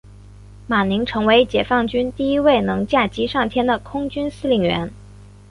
马宁成为解放军第一位能驾机上天的空军司令员。